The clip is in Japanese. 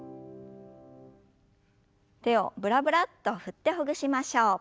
手をブラブラッと振ってほぐしましょう。